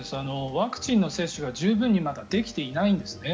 ワクチンの接種がまだ十分にできていないんです。